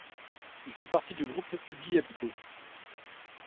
Il fait partie du groupe Publihebdos.